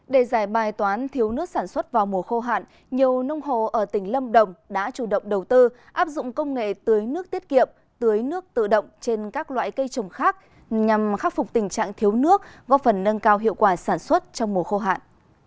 để giải bài toán thiếu nước sản xuất vào mùa khô hạn nhiều nông hồ ở tỉnh lâm đồng đã chủ động đầu tư áp dụng công nghệ tưới nước tiết kiệm tưới nước tự động trên các loại cây trồng khác nhằm khắc phục tình trạng thiếu nước góp phần nâng cao hiệu quả sản xuất trong mùa khô hạn